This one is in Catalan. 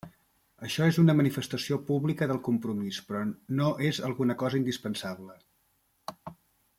Això és una manifestació pública del compromís però no és alguna cosa indispensable.